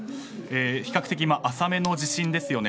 比較的、浅めの地震ですよね。